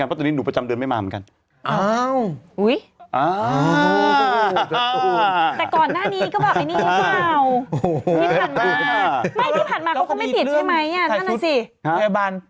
เพราะตอนนี้หนูประจำเดือนไม่มาเหมือนกัน